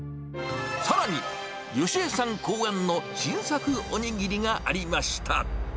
さらに、吉江さん考案の新作おにぎりがありました。